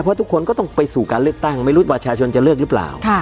เพราะทุกคนก็ต้องไปสู่การเลือกตั้งไม่รู้ว่าประชาชนจะเลือกหรือเปล่า